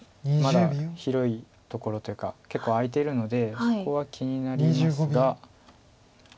まだ広いところというか結構空いているのでそこは気になりますが。